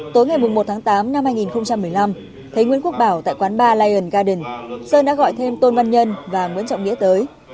tối ngày một tháng tám năm hai nghìn một mươi năm thấy nguyễn quốc bảo tại quán ba lion garden sơn đã gọi thêm tôn văn nhân và nguyễn trọng nghĩa tới